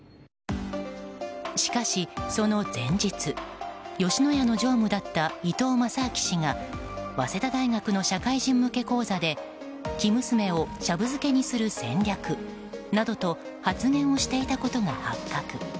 しかし、その前日吉野家の常務だった伊東正明氏が早稲田大学の社会人向け講座で生娘をシャブ漬けにする戦略などと発言をしていたことが発覚。